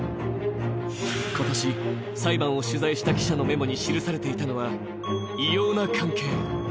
今年、裁判を取材した記者のメモに記されていたのは、異様な関係。